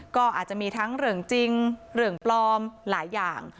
ก็อาจจะมีทั้งเรื่องจริงเรื่องปลอมหลายอย่าง